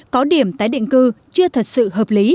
có điểm tái định cư chưa thật sự hợp lý